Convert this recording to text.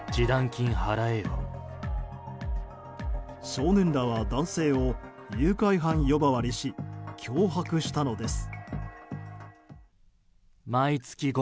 少年らは男性を誘拐犯呼ばわりし脅迫したのです。